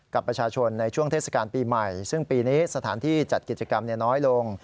กับประชาชนในช่วงเทศกาลปีใหม่ซึ่งปีนี้สถานที่จัดกิจกรรมน้อยลง